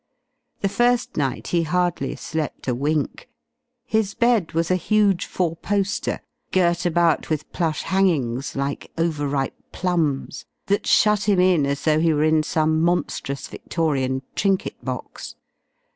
The first night he hardly slept a wink. His bed was a huge four poster, girt about with plush hangings like over ripe plums, that shut him in as though he were in some monstrous Victorian trinket box.